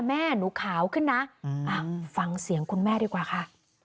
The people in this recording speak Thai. แม่หนูขาวขึ้นนะฟังเสียงคุณแม่ดีกว่าค่ะ